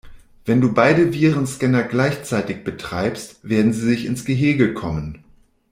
Wenn du beide Virenscanner gleichzeitig betreibst, werden sie sich ins Gehege kommen.